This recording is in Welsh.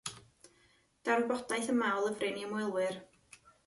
Daw'r wybodaeth yma o lyfryn i ymwelwyr.